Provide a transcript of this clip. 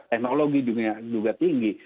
teknologi juga tinggi